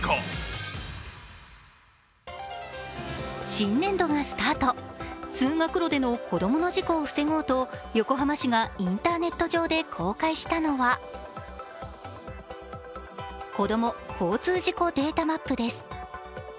新年度がスタート、通学路での子供の事故を防ごうと横浜市がインターネット上で公開したのはこども・交通事故データマップです